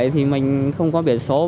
thì mình không có biện số